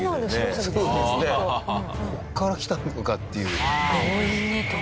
ここからきたのかっていう。